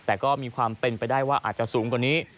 แต่ก็มีความเป็นไปได้ว่าอาจจะสูงกว่านี้